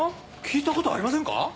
聞いたことありませんか？